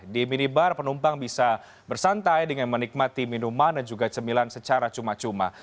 di minibar penumpang bisa bersantai dengan menikmati minuman dan juga cemilan secara cuma cuma